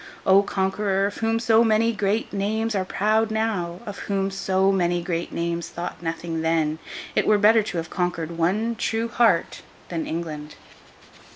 O Conqueror, of whom so many great names are proud now, of whom so many great names thought nothing then, it were better to have conquered one true heart, than England!